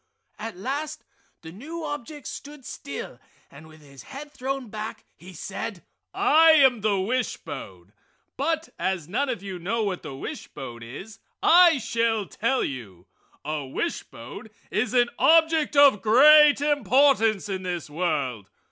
At last the new object stood still and with his head thrown back he said: "I am a wish bone, but as none of you know what a wishbone is, I shall tell you! A wishbone is an object of great importance in this world.